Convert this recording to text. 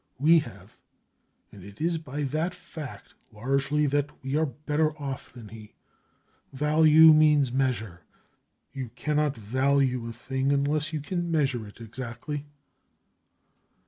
We have, and it is by that fact largely that we are better off than he. Value means measure; you cannot value a thing unless you can measure it exactly.